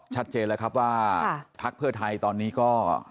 ชัดเจนแล้วครับว่าพักเพื่อไทยตอนนี้ก็